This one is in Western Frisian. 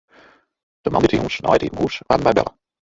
De moandeitejûns nei it iepen hús waarden wy belle.